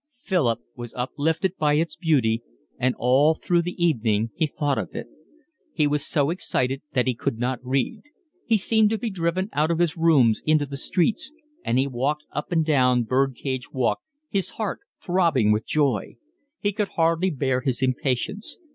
Philip was uplifted by its beauty, and all through the evening he thought of it. He was so excited that he could not read. He seemed to be driven out of his rooms into the streets, and he walked up and down Birdcage Walk, his heart throbbing with joy. He could hardly bear his impatience.